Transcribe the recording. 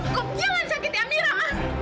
cukup jangan sakiti amira mas